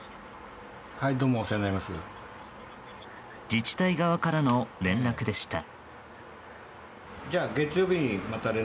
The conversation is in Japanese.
自治体側からの連絡でした。